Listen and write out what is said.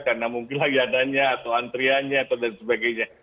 karena mungkin lagi adanya atau antriannya dan sebagainya